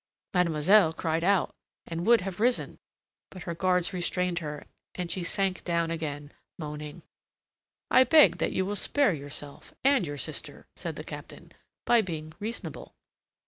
Mademoiselle cried out, and would have risen: but her guards restrained her, and she sank down again, moaning. "I beg that you will spare yourself and your sister," said the Captain, "by being reasonable.